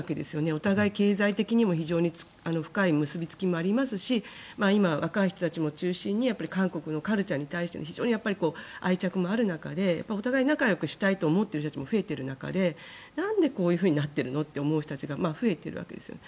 お互いに経済的にも深い結びつきがありますし今、若い人たちを中心に韓国のカルチャーに対しての愛着がある中でお互い仲よくしたいと思っている人たちも増えている中でなんでこうなっているのと思っている人も増えているわけですよね。